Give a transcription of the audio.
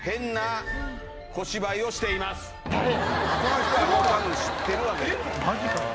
その人はもう多分知ってるわけでえっ！？